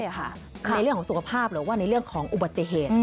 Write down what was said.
ในเรื่องของสุขภาพหรือว่าในเรื่องของอุบัติเหตุ